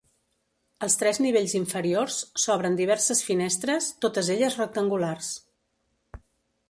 Als tres nivells inferiors s'obren diverses finestres, totes elles rectangulars.